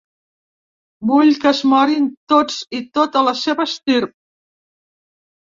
Vull que es morin tots i tota la seva estirp.